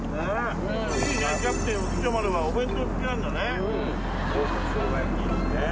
いいねキャプテン浮所丸はお弁当付きなんだね。